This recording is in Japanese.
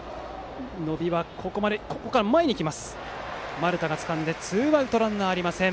丸田がつかんでツーアウトランナーありません。